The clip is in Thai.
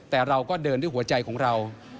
แต่เราก็เดินด้วยหัวใจของเรา